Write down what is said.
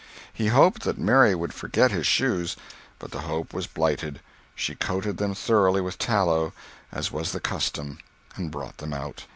He hoped that Mary would forget his shoes, but the hope was blighted; she coated them thoroughly with tallow, as was the custom, and brought them out.